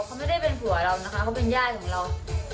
เขาไม่ได้เป็นผัวเรานะคะเขาเป็นญาติของเรา